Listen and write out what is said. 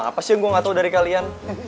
apa sih yang gue nggak tau dari kalian